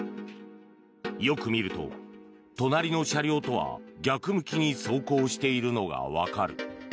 よく見ると、隣の車両とは逆向きに走行しているのがわかる。